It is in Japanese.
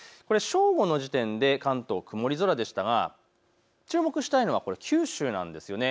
正午の時点で関東、曇り空でしたが、注目したいのは九州ですね。